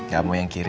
gak mau yang kiri